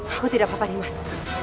aku tidak apa apa rimas